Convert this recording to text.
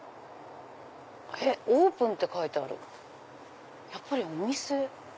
オープンって書いてあるやっぱりお店？